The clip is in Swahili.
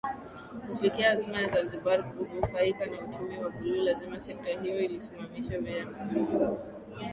Kufikia azma ya Zanzibar kunufaika na uchumi wa buluu lazima sekta hiyo isimamiwe vyema